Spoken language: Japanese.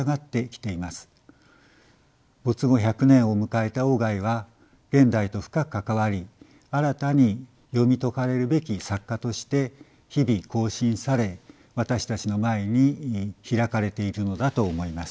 没後１００年を迎えた外は現代と深くかかわり新たに読み解かれるべき作家として日々更新され私たちの前に開かれているのだと思います。